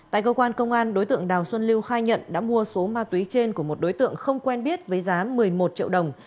tại cơ quan công an đối tượng đào xuân lưu khai nhận đã mua số ma túy trên của một đối tượng không quen biết với giá một mươi một triệu đồng